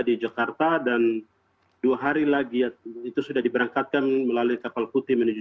di jakarta dan dua hari lagi itu sudah diberangkatkan melalui kapal putih menuju